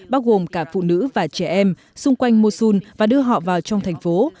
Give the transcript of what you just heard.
bao gồm cả phụ nữ và trẻ em xung quanh mosun và đưa họ vào trong thành phố